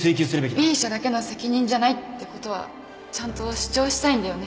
Ｂ 社だけの責任じゃないってことはちゃんと主張したいんだよね